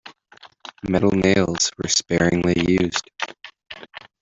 Metal nails were sparingly used.